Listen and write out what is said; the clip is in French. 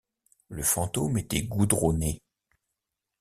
Le fantôme était goudronné.